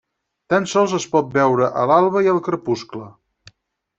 Tan sols es pot veure a l'alba i al crepuscle.